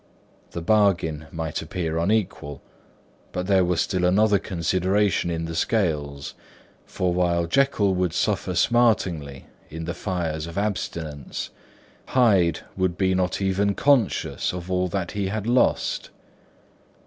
The bargain might appear unequal; but there was still another consideration in the scales; for while Jekyll would suffer smartingly in the fires of abstinence, Hyde would be not even conscious of all that he had lost.